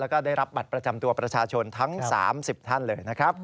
แล้วก็ได้รับบัตรประจำตัวประชาชนทั้ง๓๐ท่านเลยนะครับ